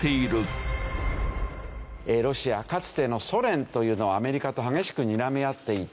ロシアかつてのソ連というのはアメリカと激しくにらみ合っていた。